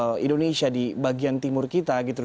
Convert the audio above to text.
mungkin orang indonesia di bagian timur kita gitu